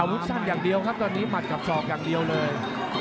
วุฒิสั้นอย่างเดียวครับตอนนี้หัดกับศอกอย่างเดียวเลย